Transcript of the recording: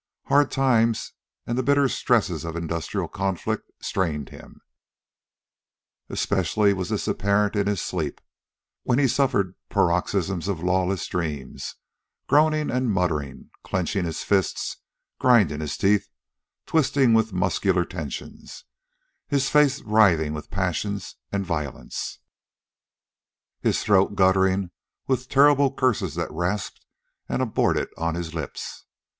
Hard times and the bitter stresses of industrial conflict strained him. Especially was this apparent in his sleep, when he suffered paroxysms of lawless dreams, groaning and muttering, clenching his fists, grinding his teeth, twisting with muscular tensions, his face writhing with passions and violences, his throat guttering with terrible curses that rasped and aborted on his lips.